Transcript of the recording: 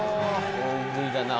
大食いだなぁ。